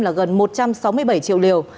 là gần một trăm sáu mươi bảy triệu liều